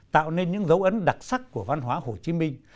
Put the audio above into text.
tạo nên những dấu ấn đặc sắc của văn hóa hồ chí minh